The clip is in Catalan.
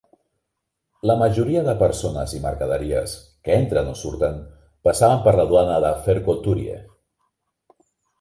La majoria de persones i mercaderies que entren o surten passaven per la duana de Verkhoturye.